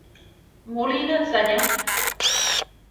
— Мо лийынат, Саня?